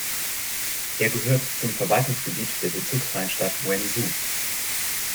Er gehört zum Verwaltungsgebiet der bezirksfreien Stadt Wenzhou.